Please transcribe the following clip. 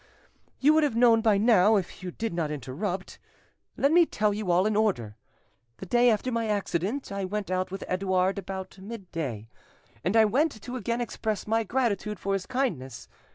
"You would have known by now, if you did not interrupt. Let me tell you all in order. The day after my accident I went out with Edouard about midday, and I went to again express my gratitude for his kindness.